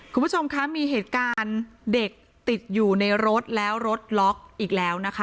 คุณผู้ชมคะมีเหตุการณ์เด็กติดอยู่ในรถแล้วรถล็อกอีกแล้วนะคะ